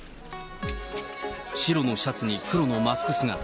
白のシャツに黒のマスク姿。